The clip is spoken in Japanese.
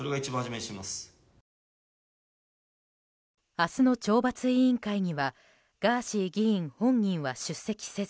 明日の懲罰委員会にはガーシー議員本人は出席せず